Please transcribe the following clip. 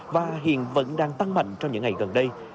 và hiện vẫn đang tăng mạnh trong những ngày gần đây